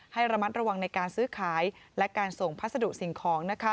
ให้ระมัดระวังในการซื้อขายและการส่งพัสดุสิ่งของ